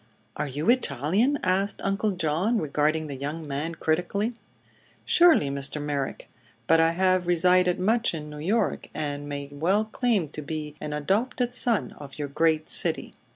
"Are you Italian?" asked Uncle John, regarding the young man critically. "Surely, Mr. Merrick. But I have resided much in New York, and may well claim to be an adopted son of your great city."